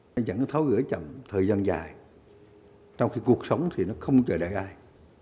nên vẫn tháo gỡ chậm thời gian dài trong khi cuộc sống thì nó không chờ đợi ai